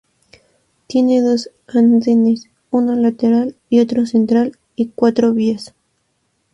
Tiene dos andenes, uno lateral y otro central y cuatro vías.